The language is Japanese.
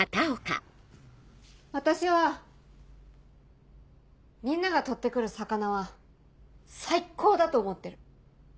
私はみんなが取って来る魚は最高だと思ってる。